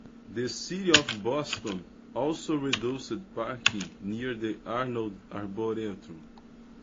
The city of Boston also reduced parking near the Arnold Arboretum.